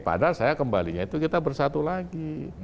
padahal saya kembalinya itu kita bersatu lagi